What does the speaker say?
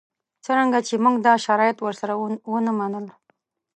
څرنګه چې موږ دا شرایط ورسره ونه منل.